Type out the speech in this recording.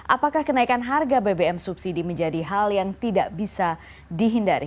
apakah kenaikan harga bbm subsidi menjadi hal yang tidak bisa dihindari